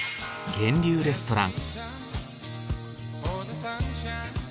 源流レストラン。